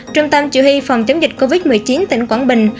trung tâm chủ y phòng chống dịch covid một mươi chín tỉnh quảng bình